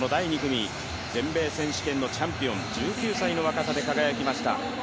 全米選手権のチャンピオン、１９歳の若手に輝きました。